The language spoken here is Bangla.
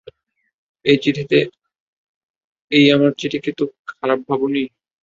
এই আমার চিঠিকে তো খারাপ ভাবোনি।